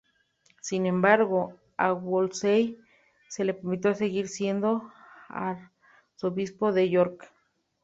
Sin embargo, a Wolsey se le permitió seguir siendo arzobispo de York.